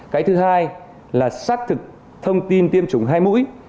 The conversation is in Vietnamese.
cái thứ hai là xác thực thông tin tiêm chủng hai mũi